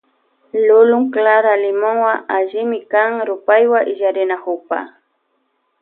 Lulun clara limonwa alli rupaywan illarinakukpa.